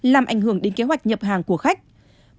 làm ảnh hưởng đến kế hoạch nhập hàng của khách